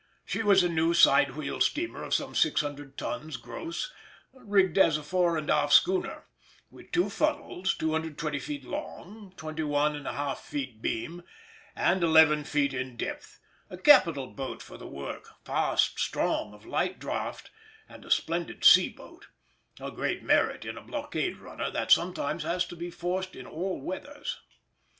She was a new side wheel steamer of some 600 tons gross, rigged as a fore and aft schooner, with two funnels, 220 feet long, 21 1/2 feet beam, and 11 feet in depth; a capital boat for the work, fast, strong, of light draught, and a splendid sea boat—a great merit in a blockade runner that sometimes has to be forced in all weathers.